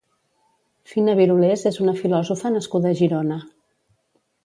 Fina Birulés és una filòsofa nascuda a Girona.